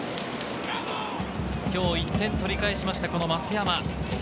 今日１点取り返しました、増山。